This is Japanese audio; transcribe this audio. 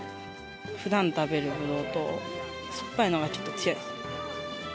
ふだん食べるブドウと、酸っぱいのがちょっと強い。